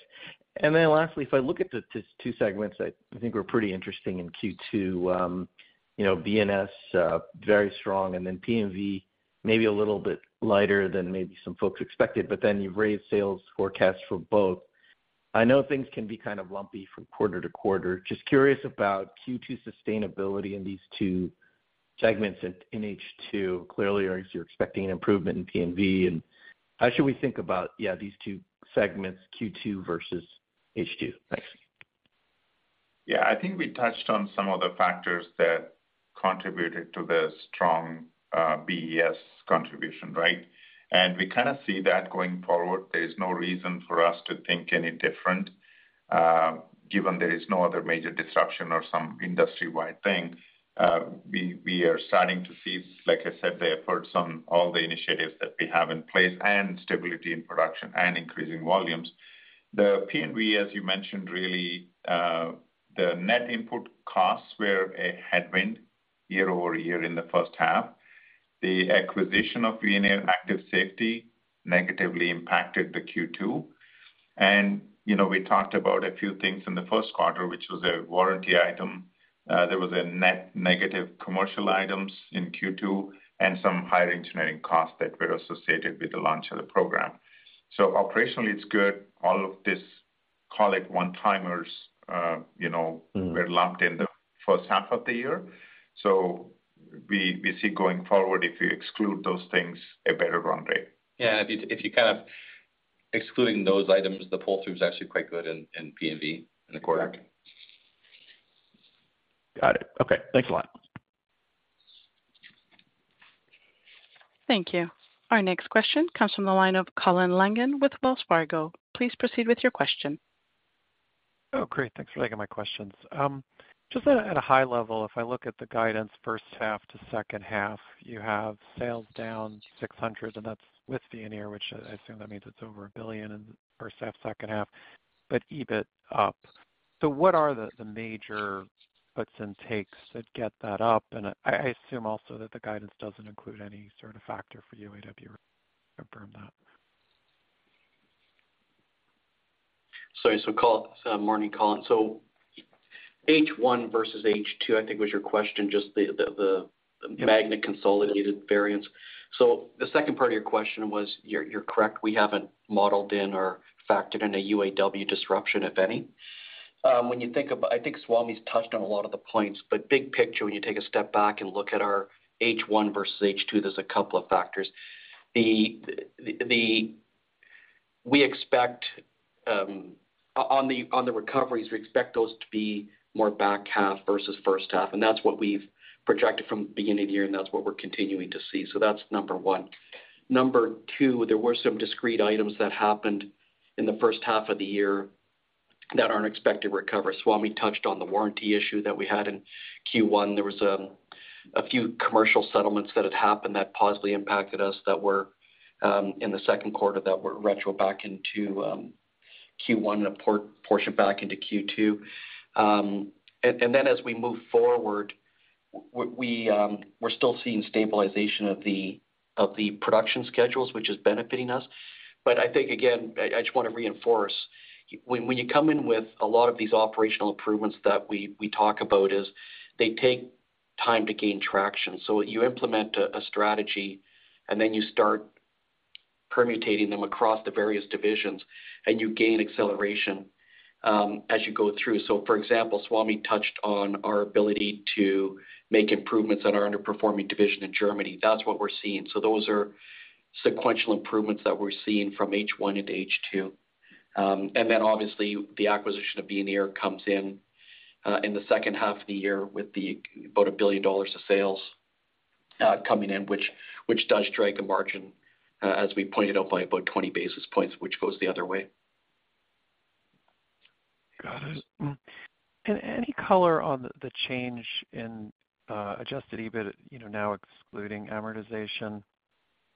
Then two, two segments that I think were pretty interesting in Q2, you know, B&S, very strong, and then P&V, maybe a little bit lighter than maybe some folks expected, but then you've raised sales forecasts for both. I know things can be kind of lumpy from quarter to quarter. Just curious about Q2 sustainability in these two segments and in H2. Clearly, you're expecting an improvement in P&V, and how should we think about, yeah, these two segments, Q2 versus H2? Thanks. Yeah. I think we touched on some of the factors that contributed to the strong BES contribution, right? We kinda see that going forward. There is no reason for us to think any different, given there is no other major disruption or some industry-wide thing. We, we are starting to see, like I said, the efforts on all the initiatives that we have in place, and stability in production and increasing volumes. The P&V, as you mentioned, really, the net input costs were a headwind.... year-over-year in the first half. The acquisition of Veoneer Active Safety negatively impacted the Q2. You know, we talked about a few things in the first quarter, which was a warranty item. There was a net negative commercial items in Q2 and some higher engineering costs that were associated with the launch of the program. Operationally, it's good. All of this, call it one-timers, you know, were lumped in the first half of the year. We, we see going forward, if you exclude those things, a better run rate. Yeah, if you, if you kind of excluding those items, the pull-through is actually quite good in, in P&V in the quarter. Exactly. Got it. Okay. Thanks a lot. Thank you. Our next question comes from the line of Colin Langan with Wells Fargo. Please proceed with your question. Oh, great. Thanks for taking my questions. Just at a high level, if I look at the guidance first half to second half, you have sales down $600, and that's with Veoneer, which I assume that means it's over $1 billion in first half, second half, but EBIT up. What are the major puts and takes that get that up? I, I assume also that the guidance doesn't include any sort of factor for UAW, confirm that? Sorry. Morning, Colin. H1 versus H2, I think, was your question, just the Magna consolidated variance. The second part of your question was, you're correct, we haven't modeled in or factored in a UAW disruption, if any. When you think about... I think Swamy's touched on a lot of the points, but big picture, when you take a step back and look at our H1 versus H2, there's a couple of factors. We expect on the recoveries, we expect those to be more back half versus first half, and that's what we've projected from beginning of the year, and that's what we're continuing to see. That's number one. Number two, there were some discrete items that happened in the first half of the year that are on expected recovery. Swamy touched on the warranty issue that we had in Q1. There was a few commercial settlements that had happened that positively impacted us, that were in the second quarter, that were retro back into Q1, and a portion back into Q2. Then as we move forward, we're still seeing stabilization of the production schedules, which is benefiting us. I think, again, I just wanna reinforce, when you come in with a lot of these operational improvements that we talk about is, they take time to gain traction. You implement a strategy, and then you start permutating them across the various divisions, and you gain acceleration as you go through. For example, Swamy touched on our ability to make improvements on our underperforming division in Germany. That's what we're seeing. Those are sequential improvements that we're seeing from H1 into H2. Obviously, the acquisition of Veoneer comes in in the second half of the year with the about $1 billion of sales coming in, which, which does strike a margin as we pointed out, by about 20 basis points, which goes the other way. Got it. Any color on the change in adjusted EBIT, you know, now excluding amortization,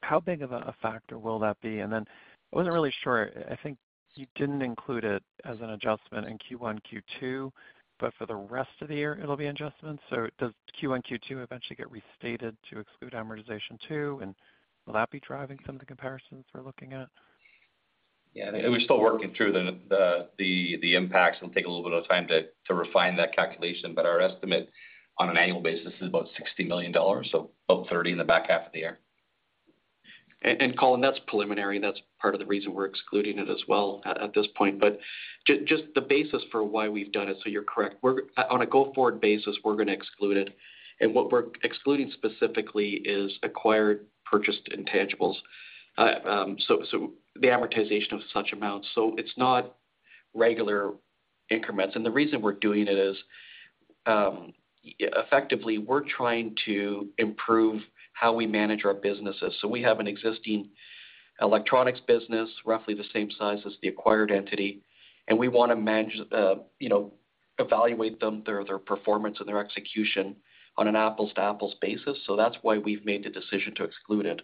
how big of a, a factor will that be? Then I wasn't really sure, I think you didn't include it as an adjustment in Q1, Q2, but for the rest of the year, it'll be adjustments. Does Q1, Q2 eventually get restated to exclude amortization too? Will that be driving some of the comparisons we're looking at? Yeah, we're still working through the, the, the impacts. It'll take a little bit of time to, to refine that calculation, but our estimate on an annual basis is about $60 million, so about $30 million in the back half of the year. Colin, that's preliminary. That's part of the reason we're excluding it as well at, at this point. Just, just the basis for why we've done it, so you're correct. On a go-forward basis, we're gonna exclude it, and what we're excluding specifically is acquired, purchased intangibles. So, so the amortization of such amounts, so it's not regular increments. The reason we're doing it is, effectively, we're trying to improve how we manage our businesses. We have an existing electronics business, roughly the same size as the acquired entity, and we wanna manage, you know, evaluate them, their, their performance and their execution on an apples-to-apples basis. That's why we've made the decision to exclude it.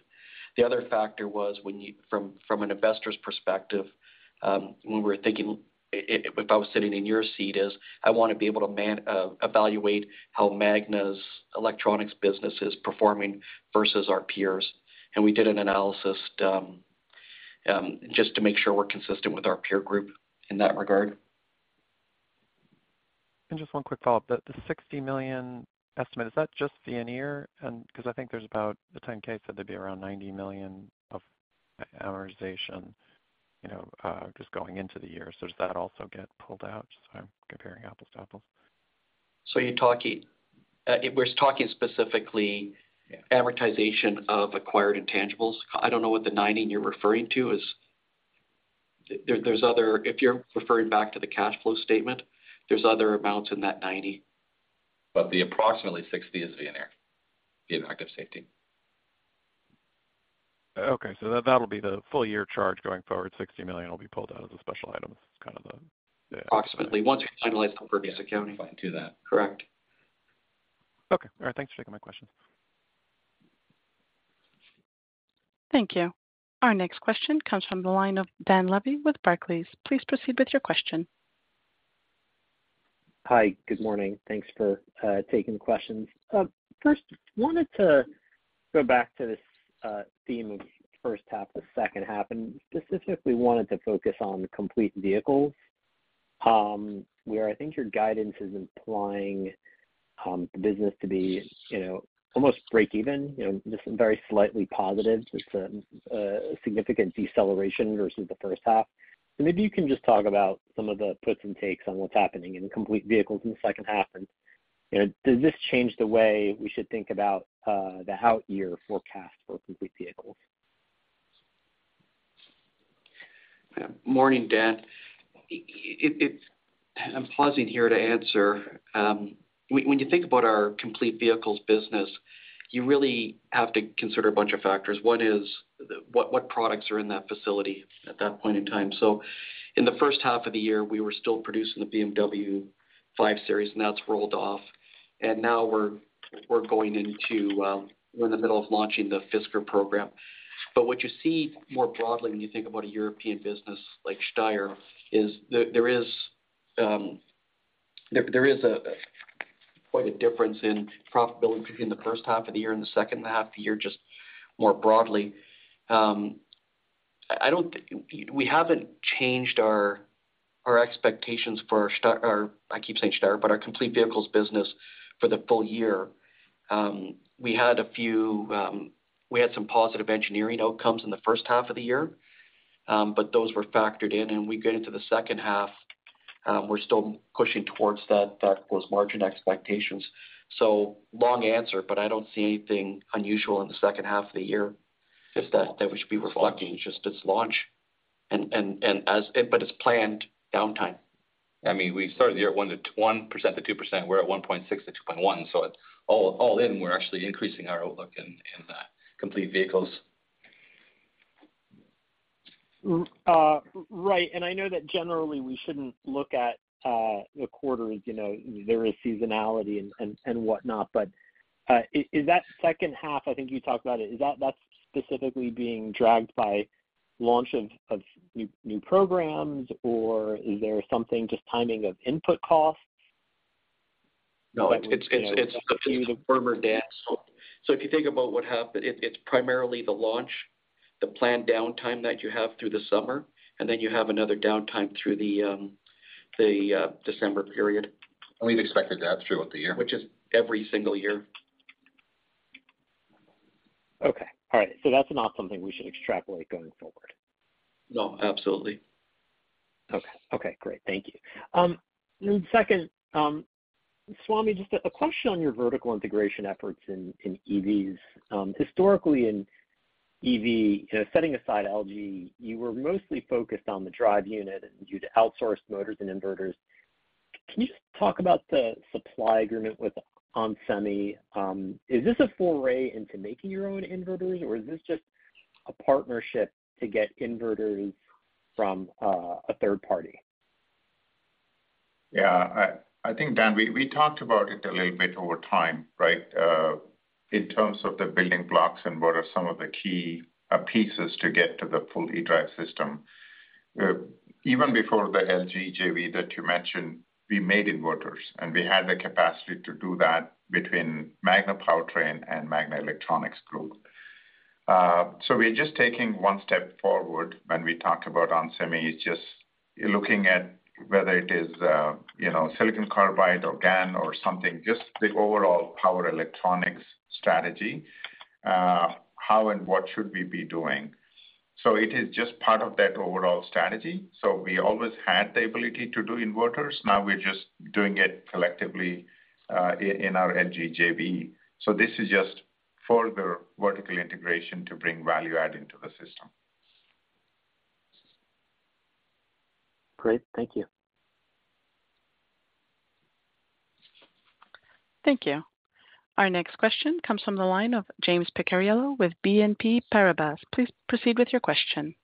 The other factor was when you. From, from an investor's perspective, when we're thinking, if, if I was sitting in your seat, is I wanna be able to man, evaluate how Magna's Electronics business is performing versus our peers. We did an analysis, just to make sure we're consistent with our peer group in that regard. Just one quick follow-up. The $60 million estimate, is that just Veoneer? Because I think there's about the 10-K, said there'd be around $90 million of amortization, you know, just going into the year. Does that also get pulled out? I'm comparing apples to apples. You're talking, we're talking specifically amortization of acquired intangibles. I don't know what the 90 you're referring to is. There, there's other. If you're referring back to the cash flow statement, there's other amounts in that 90. The approximately 60 is Veoneer, the Active Safety. Okay. That, that'll be the full year charge going forward, $60 million will be pulled out as a special item. That's kind of the- Approximately, once we finalize the previous accounting. If I do that. Correct. Okay. All right. Thanks for taking my questions. Thank you. Our next question comes from the line of Dan Levy with Barclays. Please proceed with your question. Hi, good morning. Thanks for taking the questions. First, wanted to go back to this theme of first half to second half, and specifically wanted to focus on complete vehicles, where I think your guidance is implying the business to be, you know, almost break even, you know, just very slightly positive. It's a significant deceleration versus the first half. Maybe you can just talk about some of the puts and takes on what's happening in complete vehicles in the second half, and, you know, does this change the way we should think about the out year forecast for complete vehicles? Morning, Dan. It's, I'm pausing here to answer. When you think about our complete vehicles business, you really have to consider a bunch of factors. One is the what products are in that facility at that point in time. In the first half of the year, we were still producing the BMW 5 Series, that's rolled off. Now we're going into. We're in the middle of launching the Fisker program. What you see more broadly when you think about a European business like Steyr, there is a quite a difference in profitability between the first half of the year and the second half of the year, just more broadly. I don't think. We haven't changed our, our expectations for Steyr, our... I keep saying Steyr, but our complete vehicles business for the full year. We had a few, we had some positive engineering outcomes in the first half of the year, but those were factored in, and we get into the second half, we're still pushing towards that, that, those margin expectations. Long answer, but I don't see anything unusual in the second half of the year that, that we should be reflecting. Just its launch. Just its launch. It's planned downtime. I mean, we started the year at 1% to 1% to 2%. We're at 1.6% to 2.1%, so all in, we're actually increasing our outlook in complete vehicles. Right, I know that generally we shouldn't look at, the quarter as, you know, there is seasonality and, and, and whatnot, is, is that second half, I think you talked about it, is that, that's specifically being dragged by launch of, of new, new programs? Or is there something, just timing of input costs? No, it's, it's, it's uncertain, Dan. If you think about what happened, it, it's primarily the launch, the planned downtime that you have through the summer, and then you have another downtime through the December period. We've expected that throughout the year. Which is every single year. Okay. All right. That's not something we should extrapolate going forward? No, absolutely. Okay. Okay, great. Thank you. Second, Swamy, just a question on your vertical integration efforts in, in EVs. Historically, in EV, you know, setting aside LG, you were mostly focused on the drive unit, and you'd outsource motors and inverters. Can you just talk about the supply agreement with onsemi? Is this a foray into making your own inverters, or is this just a partnership to get inverters from a third party? I, I think, Dan, we, we talked about it a little bit over time, right? In terms of the building blocks and what are some of the key pieces to get to the full e-drive system. Even before the LG JV that you mentioned, we made inverters, and we had the capacity to do that between Magna Powertrain and Magna Electronics Group. We're just taking one step forward when we talk about onsemi. It's just looking at whether it is, you know, silicon carbide or GaN or something, just the overall power electronics strategy, how and what should we be doing? It is just part of that overall strategy. We always had the ability to do inverters. Now we're just doing it collectively in our LG JV. This is just further vertical integration to bring value add into the system. Great. Thank you. Thank you. Our next question comes from the line of James Picariello with BNP Paribas. Please proceed with your question.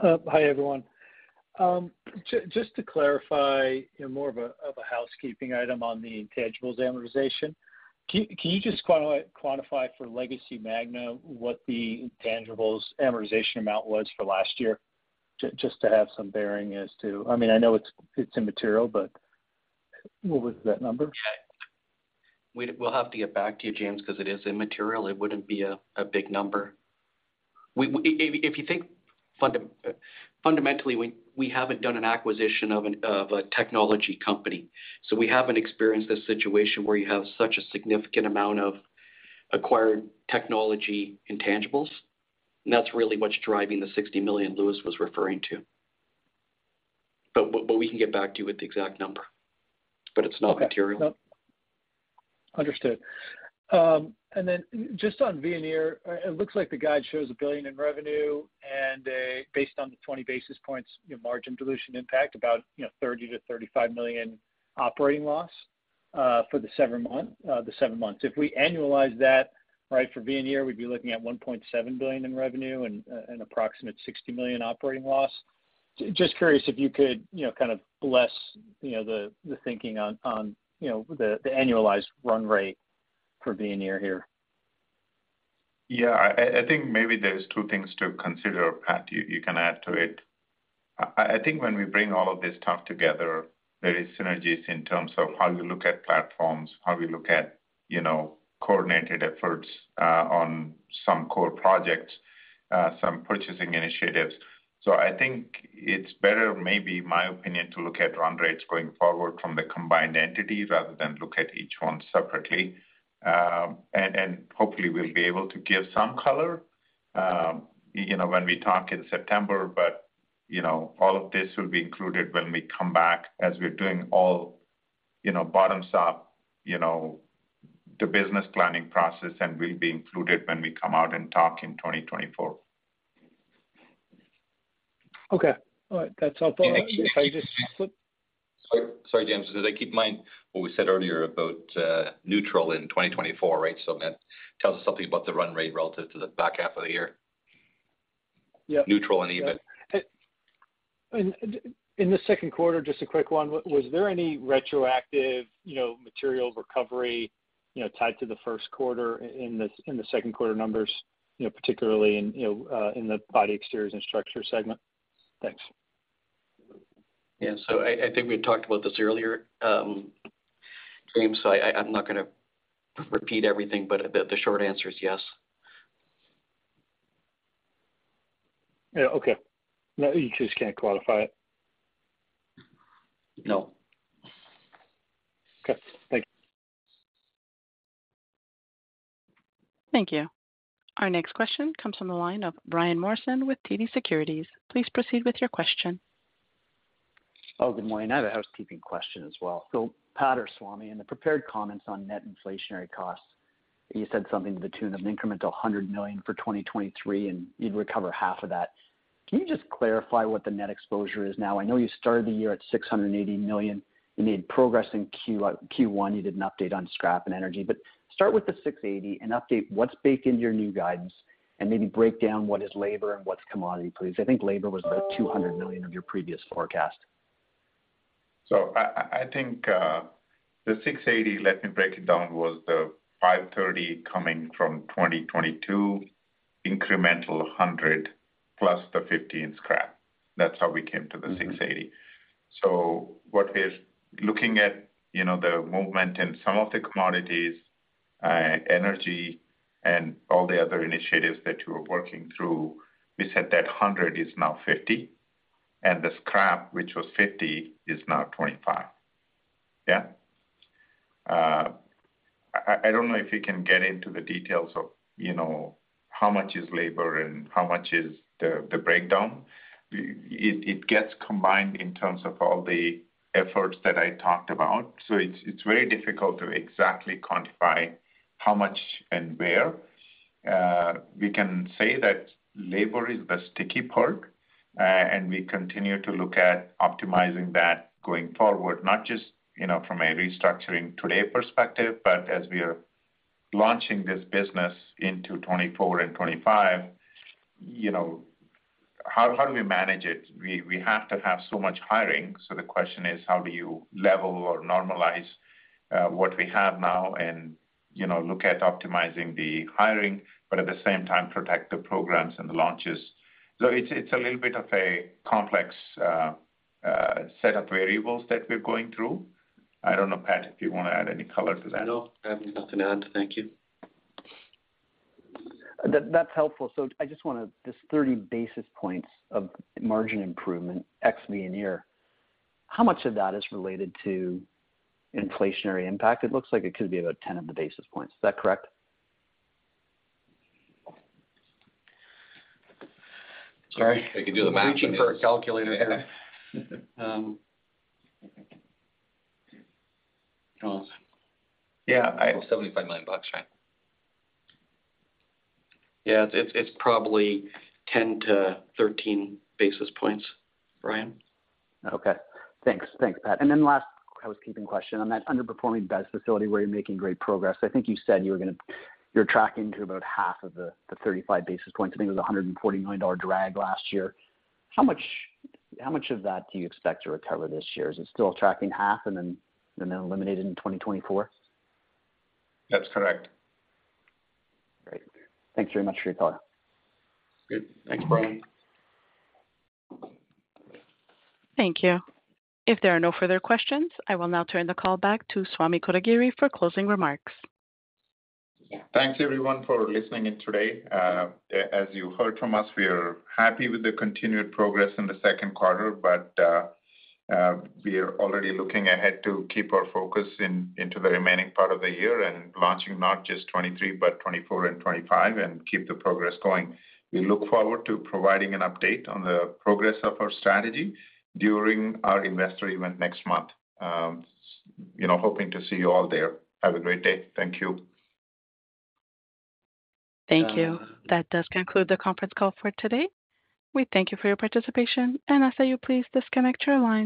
Hi, everyone. Just to clarify, you know, more of a, of a housekeeping item on the intangibles amortization. Can you just quantify for legacy Magna what the intangibles amortization amount was for last year, just to have some bearing as to... I mean, I know it's, it's immaterial, but what was that number? We, we'll have to get back to you, James, because it is immaterial. It wouldn't be a, a big number. We, if, if you think fundamentally, we, we haven't done an acquisition of an, of a technology company, so we haven't experienced a situation where you have such a significant amount of acquired technology intangibles, and that's really what's driving the $60 million Louis was referring to. We can get back to you with the exact number, but it's not material. Okay. Yep. Understood. Then just on Veoneer, it, it looks like the guide shows $1 billion in revenue and a, based on the 20 basis points, your margin dilution impact, about $30 million-$35 million operating loss, for the 7-month, the 7 months. If we annualize that, right, for Veoneer, we'd be looking at $1.7 billion in revenue and an approximate $60 million operating loss. Just curious if you could kind of bless the thinking on the annualized run rate for Veoneer here. Yeah, I, I think maybe there's two things to consider, Pat, you, you can add to it. I, I think when we bring all of this stuff together, there is synergies in terms of how we look at platforms, how we look at, you know, coordinated efforts, on some core projects, some purchasing initiatives. I think it's better, maybe, in my opinion, to look at run rates going forward from the combined entity rather than look at each one separately. Hopefully, we'll be able to give some color, you know, when we talk in September, but, you know, all of this will be included when we come back, as we're doing all, you know, bottoms up, you know, the business planning process, and will be included when we come out and talk in 2024. Okay. All right. That's all for today. Sorry, James. Keep in mind what we said earlier about neutral in 2024, right? That tells us something about the run rate relative to the back half of the year. Yeah. Neutral and even. In the second quarter, just a quick one, was there any retroactive, you know, material recovery, you know, tied to the first quarter in the, in the second quarter numbers, you know, particularly in, you know, in the Body Exteriors & Structures segment? Thanks. Yeah, I, I think we talked about this earlier, James, so I, I'm not gonna repeat everything, but the, the short answer is yes. Yeah. Okay. Now, you just can't qualify it? No. Okay. Thank you. Thank you. Our next question comes from the line of Brian Morrison with TD Securities. Please proceed with your question. Oh, good morning. I have a housekeeping question as well. Pat or Swamy, in the prepared comments on net inflationary costs, you said something to the tune of an incremental $100 million for 2023, and you'd recover $50 million of that. Can you just clarify what the net exposure is now? I know you started the year at $680 million. You made progress in Q1. You did an update on scrap and energy, start with the $680 million and update what's baked into your new guidance, and maybe break down what is labor and what's commodity, please. I think labor was about $200 million of your previous forecast. I, I, I think, the $680, let me break it down, was the $530 coming from 2022, incremental $100 plus the $15 scrap. That's how we came to the $680. What we're looking at, you know, the movement in some of the commodities, energy, and all the other initiatives that you are working through, we said that $100 is now $50, and the scrap, which was $50, is now $25. Yeah? I, I don't know if you can get into the details of, you know, how much is labor and how much is the, the breakdown. It gets combined in terms of all the efforts that I talked about, so it's very difficult to exactly quantify how much and where. We can say that labor is the sticky part, and we continue to look at optimizing that going forward, not just, you know, from a restructuring today perspective, but as we are launching this business into 2024 and 2025, you know, how do we manage it? We, we have to have so much hiring. The question is, how do you level or normalize what we have now and, you know, look at optimizing the hiring, but at the same time, protect the programs and the launches. It's, it's a little bit of a complex set of variables that we're going through. I don't know, Pat, if you want to add any color to that. No, I have nothing to add. Thank you. That's helpful. I just want to... This 30 basis points of margin improvement, ex Veoneer, how much of that is related to inflationary impact? It looks like it could be about ten of the basis points. Is that correct? Sorry. I could do the math. Reaching for a calculator here. Yeah, I have $75 million, right? Yeah, it's, it's probably 10-13 basis points, Brian. Okay. Thanks. Thanks, Pat. Last housekeeping question. On that underperforming BES facility where you're making great progress, I think you said you're tracking to about half of the 35 basis points. I think it was a $140 million drag last year. How much, how much of that do you expect to recover this year? Is it still tracking half and then eliminated in 2024? That's correct. Great. Thanks very much for your time. Good. Thanks, Brian. Thank you. If there are no further questions, I will now turn the call back to Swamy Kotagiri for closing remarks. Thanks, everyone, for listening in today. As you heard from us, we are happy with the continued progress in the second quarter, but we are already looking ahead to keep our focus in, into the remaining part of the year and launching not just 2023, but 2024 and 2025, and keep the progress going. We look forward to providing an update on the progress of our strategy during our investor event next month. You know, hoping to see you all there. Have a great day. Thank you. Thank you. That does conclude the conference call for today. We thank you for your participation, and I ask that you please disconnect your line.